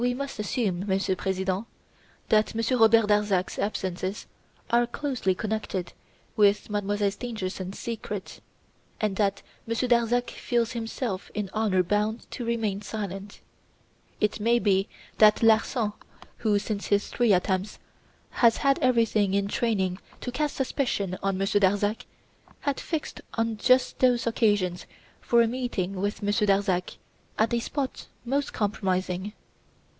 "We must assume, Monsieur President, that Monsieur Robert Darzac's absences are closely connected with Mademoiselle Stangerson's secret, and that Monsieur Darzac feels himself in honour bound to remain silent. It may be that Larsan, who, since his three attempts, has had everything in training to cast suspicion on Monsieur Darzac, had fixed on just those occasions for a meeting with Monsieur Darzac at a spot most compromising.